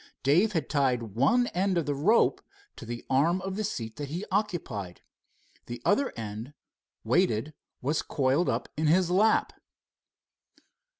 Dave had tied one end of the rope to the arm of the seat he occupied. The other end, weighted, was coiled up in his lap.